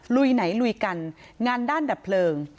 ลุยไหนลุยกันงานด้านดับเพลิง